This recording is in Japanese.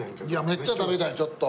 めっちゃ食べたいちょっと。